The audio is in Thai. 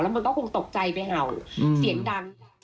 มันก็คงตกใจไปเห่าเสียงดัง